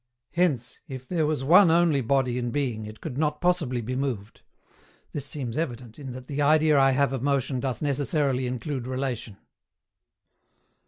Hence, if there was one only body in being it could not possibly be moved. This seems evident, in that the idea I have of motion doth necessarily include relation.